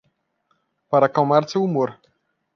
Para acalmar seu humor